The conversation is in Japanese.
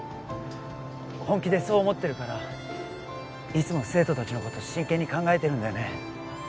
本気でそう思ってるからいつも生徒達のこと真剣に考えてるんだよね？